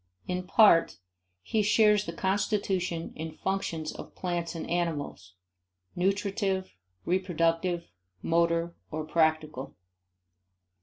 In part, he shares the constitution and functions of plants and animals nutritive, reproductive, motor or practical.